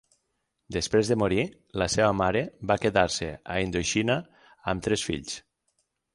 Després de morir, la seva mare va quedar-se a Indoxina amb tres fills.